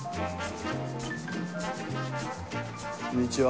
こんにちは。